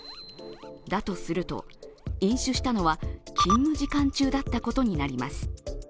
だとすると、飲酒したのは勤務時間中だったことになります。